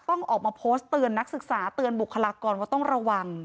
ต้องออกมาโพสต์เตือนนักศึกษาเตือนบุคลากรว่าต้องระวัง